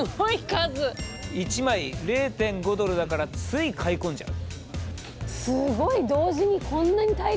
１枚０．５ドルだからつい買い込んじゃう。